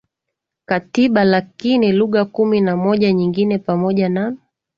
katiba lakini lugha kumi na moja nyingine pamoja na